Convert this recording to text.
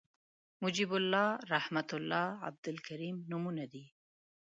محیب الله رحمت الله عبدالکریم نومونه دي